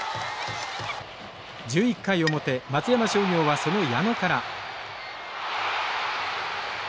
１１回表松山商業はその矢野から。